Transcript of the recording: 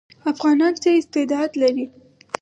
افغانان څه استعداد لري؟